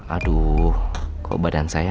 aduh kok badan saya